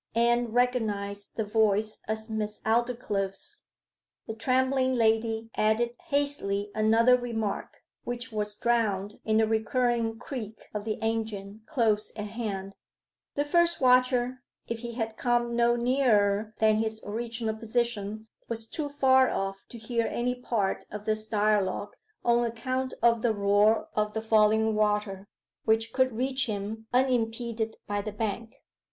Anne recognized the voice as Miss Aldclyffe's. The trembling lady added hastily another remark, which was drowned in the recurring creak of the engine close at hand The first watcher, if he had come no nearer than his original position, was too far off to hear any part of this dialogue, on account of the roar of the falling water, which could reach him unimpeded by the bank.